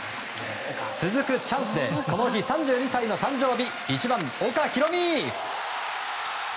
続くチャンスでこの日、３２歳の誕生日１番、岡大海。